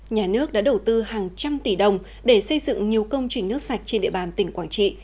nhà nước đã đầu tư hàng trăm tỷ đồng để xây dựng nhiều công trình nước sạch trên địa bàn tỉnh quảng trị